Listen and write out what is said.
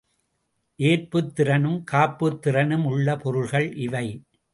ஏற்புத் திறனும் காப்புத் திறனும் உள்ள பொருள்கள் இவை.